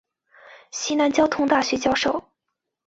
西南交通大学教授。